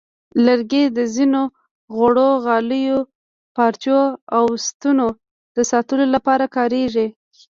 لرګي د ځینو زړو غالیو، پارچو، او ستنو د ساتلو لپاره کارېږي.